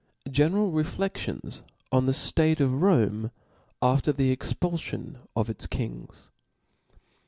General Reflexions on the State of Rome after the Expulfion of its Kings.